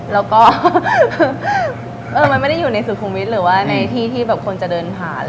แล้วก็มันไม่ได้อยู่ในสุขุมวิทย์หรือว่าในที่ที่แบบคนจะเดินผ่าน